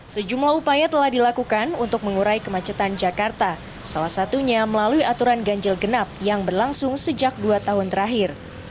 sejumlah upaya telah dilakukan untuk mengurai kemacetan jakarta salah satunya melalui aturan ganjil genap yang berlangsung sejak dua tahun terakhir